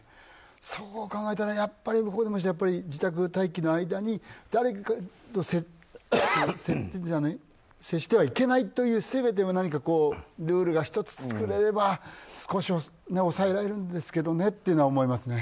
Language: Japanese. そこを考えたらやっぱり自宅待機の間に誰かと接してはいけないというせめて、ルールが１つ作れれば少しは抑えられるんですけどねとは思いますけどね。